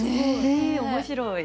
面白い。